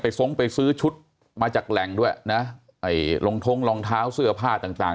ทรงไปซื้อชุดมาจากแหล่งด้วยนะไอ้รองท้องรองเท้าเสื้อผ้าต่างต่าง